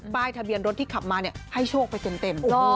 ป้ายทะเบียนรถที่ขับมาเนี่ยให้โชคไปเต็ม